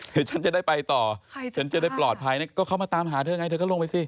เดี๋ยวฉันจะได้ไปต่อฉันจะได้ปลอดภัยก็เข้ามาตามหาเธอไงเธอก็ลงไปสิ